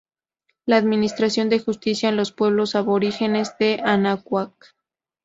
La administración de justicia en los pueblos aborígenes de Anáhuac.